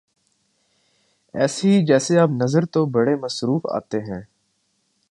ایسے ہی جیسے آپ نظر تو بڑے مصروف آتے ہیں